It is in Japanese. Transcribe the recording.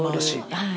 はい。